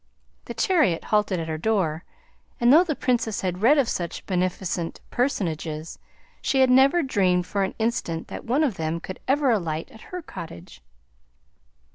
The chariot halted at her door, and though the Princess had read of such beneficent personages, she never dreamed for an instant that one of them could ever alight at her cottage.